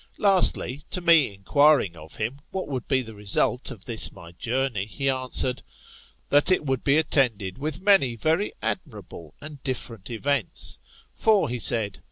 Lastly, to me enquiring of him what would be the result of this my journey, he answered, That it would be attended with many very admirable and different events. For, he said.